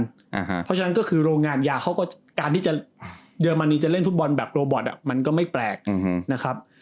เพราะฉะนั้นก็คือโรงงานยาเขาก็การที่จะเยอรมนีจะเล่นฟุตบอลแบบโรบอตมันก็ไม่แปลกนะครับ